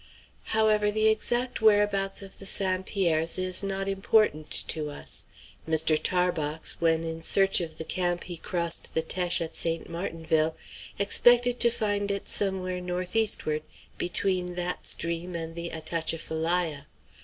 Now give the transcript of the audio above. However, the exact whereabouts of the St. Pierres is not important to us. Mr. Tarbox, when in search of the camp he crossed the Teche at St. Martinville, expected to find it somewhere north eastward, between that stream and the Atchafalaya.